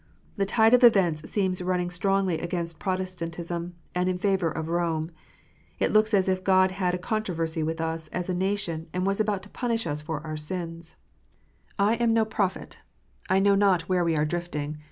The tide of events seems running strongly against Protestantism and in favour of Rome. It looks as if God had a controversy with us, as a nation, and was about to punish us for our sins. IDOLATRY. 419 I am no prophet. 1 know not where we are drifting.